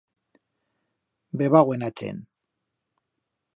B'heba buena chent.